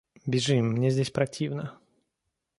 Бежим мне здесь противно!